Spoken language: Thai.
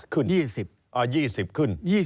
๒๕ขึ้นอ่า๒๐ขึ้น